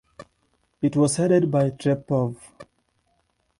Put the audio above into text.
It was headed by Trepov.